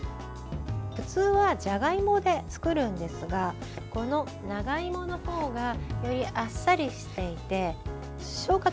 普通はじゃがいもで作るんですがこの長芋の方がよりあっさりしていて消化